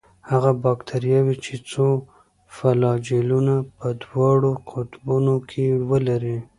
هغه باکتریاوې چې څو فلاجیلونه په دواړو قطبونو کې ولري.